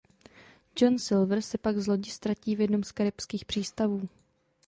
John Silver se pak z lodi ztratí v jednom z karibských přístavů.